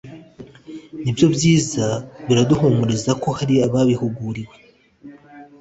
nibyobyiza baraduhamiriza ko hari ababihuguriwe